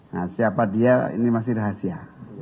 nah siapa dia ini masih rahasia